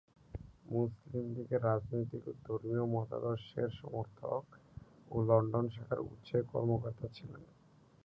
মুসলিম লীগের রাজনৈতিক ও ধর্মীয় মতাদর্শের সমর্থক ও লন্ডন শাখার উৎসাহী কর্মকর্তা ছিলেন।